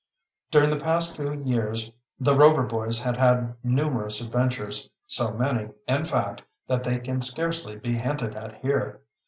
During the past few years the Rover boys had had numerous adventures, so many, in fact, that they can scarcely be hinted at here.